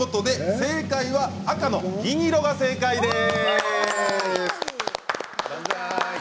正解は赤の銀色が正解です。